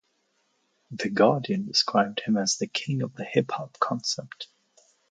"The Guardian" described him as "the king of the hip-hop concept.